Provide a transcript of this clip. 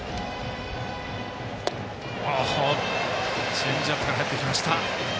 チェンジアップから入ってきました。